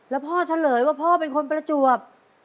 แล้วพ่อเฉลยว่าพ่อเป็นคนประจวบ